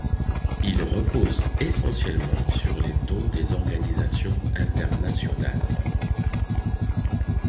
Il repose essentiellement sur les dons des organisations internationales.